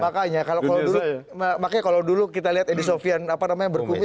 makanya kalau dulu kita lihat edi sofian berkumis